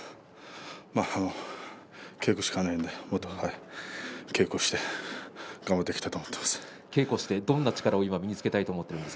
稽古しかないんでもっと稽古して頑張っていきたいと思っています。